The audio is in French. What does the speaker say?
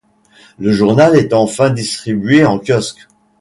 Le journal est enfin distribué en kiosque.